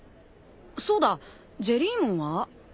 そうだジェリーモンは？